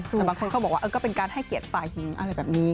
แต่บางคนก็บอกว่าก็เป็นการให้เกียรติฝ่ายหญิงอะไรแบบนี้